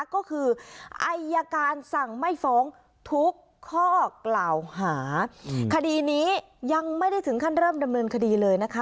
ก็คืออายการสั่งไม่ฟ้องทุกข้อกล่าวหาคดีนี้ยังไม่ได้ถึงขั้นเริ่มดำเนินคดีเลยนะคะ